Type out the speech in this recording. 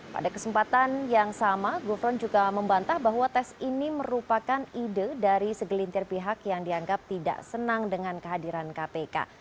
pada kesempatan yang sama gufron juga membantah bahwa tes ini merupakan ide dari segelintir pihak yang dianggap tidak senang dengan kehadiran kpk